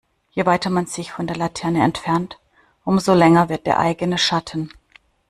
Je weiter man sich von der Laterne entfernt, umso länger wird der eigene Schatten.